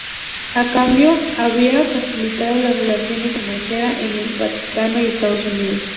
A cambio, habría facilitado las relaciones de Massera con el Vaticano y Estados Unidos.